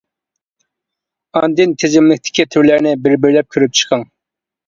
ئاندىن تىزىملىكتىكى تۈرلەرنى بىر بىرلەپ كۆرۈپ چىقىڭ.